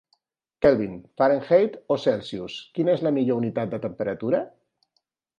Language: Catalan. Kelvin, Fahrenheit o Celsius: quina és la millor unitat de temperatura?